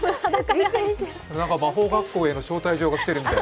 魔法学校への招待状が来てるみたい。